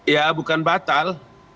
ya bukan batal